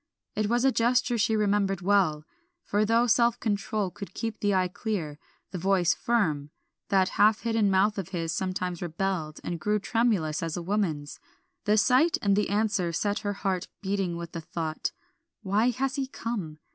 It was a gesture she remembered well, for though self control could keep the eye clear, the voice firm, that half hidden mouth of his sometimes rebelled and grew tremulous as a woman's. The sight and the answer set her heart beating with the thought, "Why has he come?"